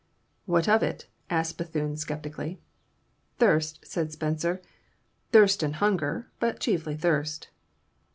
"What of?" asked Bethune sceptically. "Thirst," said Spicer; "thirst and hunger, but chiefly thirst."